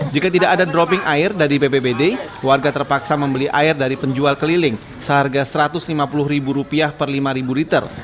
jika tidak ada dropping air dari bpbd warga terpaksa membeli air dari penjual keliling seharga rp satu ratus lima puluh per lima liter